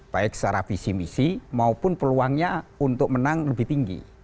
baik secara visi misi maupun peluangnya untuk menang lebih tinggi